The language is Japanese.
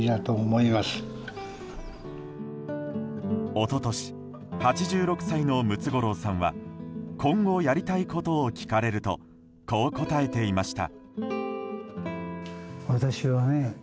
一昨年８６歳のムツゴロウさんは今後やりたいことを聞かれるとこう答えていました。